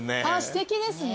すてきですね。